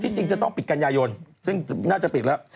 ที่จริงจะต้องปิดกัญญายนซึ่งน่าจะปิดละ